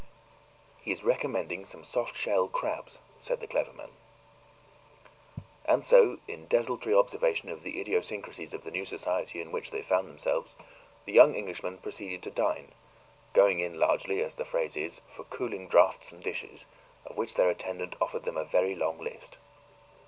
"He is recommending some soft shell crabs," said the clever man. And so, in desultory observation of the idiosyncrasies of the new society in which they found themselves, the young Englishmen proceeded to dine going in largely, as the phrase is, for cooling draughts and dishes, of which their attendant offered them a very long list.